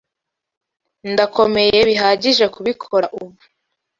Ndakomeye bihagije kubikora ubu.